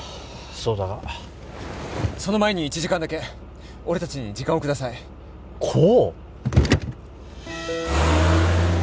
そうだがその前に１時間だけ俺達に時間をください功！？